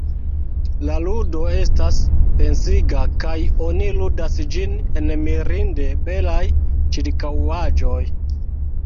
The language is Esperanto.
La ludo estas pensiga, kaj oni ludas ĝin en mirinde belaj ĉirkaŭaĵoj.